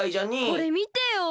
これみてよ！